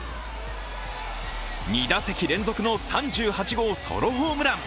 ２打席連続の３８号ソロホームラン。